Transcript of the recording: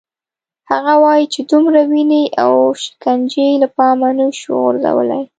هغه وايي چې دومره وینې او شکنجې له پامه نه شو غورځولای.